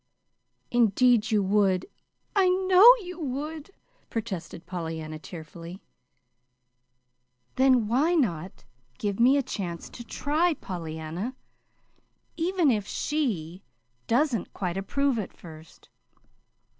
"Indeed you would! I know you would," protested Pollyanna, tearfully. "Then why not give me a chance to try, Pollyanna, even if she doesn't quite approve, at first.